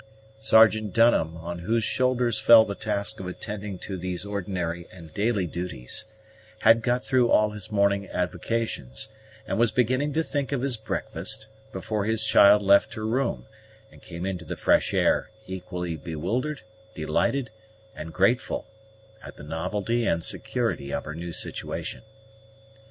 Sergeant Dunham, on whose shoulders fell the task of attending to these ordinary and daily duties, had got through all his morning avocations, and was beginning to think of his breakfast, before his child left her room, and came into the fresh air, equally bewildered, delighted, and grateful, at the novelty and security of her new situation.